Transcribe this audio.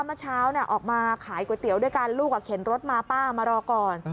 เมื่อเช้าออกมาขายก๋วยเตี๋ยวด้วยกันลูกเข็นรถมาป้ามารอก่อน